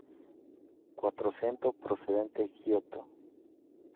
Quattrocento Precedente: Giotto.